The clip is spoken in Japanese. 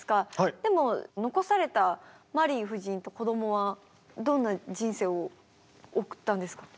でも残されたマリー夫人とこどもはどんな人生を送ったんですか？